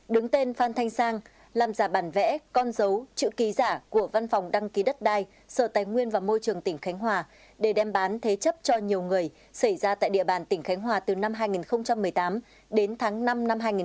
đứng tên phan thanh sang làm giả bản vẽ con dấu chữ ký giả của văn phòng đăng ký đất đai sở tài nguyên và môi trường tỉnh khánh hòa để đem bán thế chấp cho nhiều người xảy ra tại địa bàn tỉnh khánh hòa từ năm hai nghìn một mươi tám đến tháng năm năm hai nghìn một mươi chín